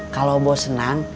kalau bos seneng